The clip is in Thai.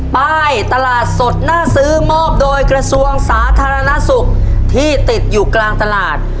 ป้ายตลาดสดหน้าซื้อมอบโดยกระทรวงสาธารณสุขที่ติดอยู่กลางตลาด